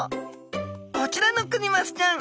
こちらのクニマスちゃん